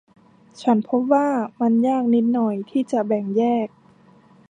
ฉันพบว่ามันยากนิดหน่อยที่จะแบ่งแยก